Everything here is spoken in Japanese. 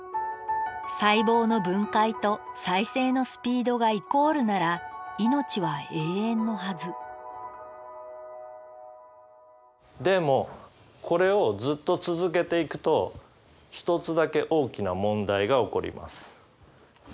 細胞の分解と再生のスピードがイコールなら命は永遠のはずでもこれをずっと続けていくと一つだけ大きな問題が起こります。